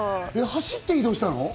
走って移動したの？